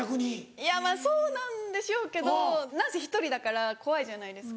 いやそうなんでしょうけど何せ１人だから怖いじゃないですか。